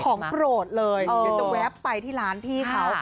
ของโปรดเลยเดี๋ยวจะแวบไปที่ร้านพี่เขา